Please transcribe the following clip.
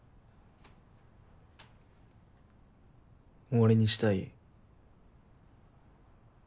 終わりにしたい？